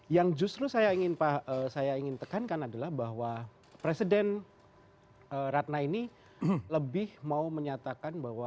yang justru saya ingin tekankan adalah bahwa presiden ratna ini lebih mau menyatakan bahwa